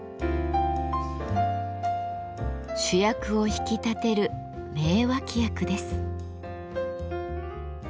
主役を引き立てる名脇役です。